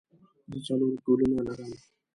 زه څلور ګلونه لرم.